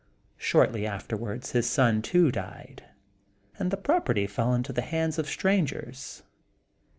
Shortly afterwards his son, too, died, and the property fell into the hands of strangers.